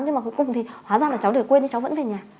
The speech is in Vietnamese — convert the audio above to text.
nhưng mà cuối cùng thì hóa ra là cháu để quên nhưng cháu vẫn về nhà